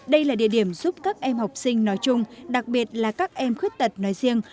đây là địa điểm giúp các em học sinh nói chung đặc biệt là các em khuyết tật nói riêng